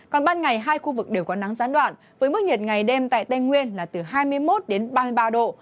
còn ban ngày hai khu vực đều có nắng gián đoạn với mức nhiệt ngày đêm tại tây nguyên là từ hai mươi một đến ba mươi ba độ